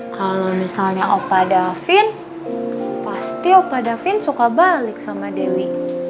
kalau misalnya opa davin pasti opa davin suka balik sama dewi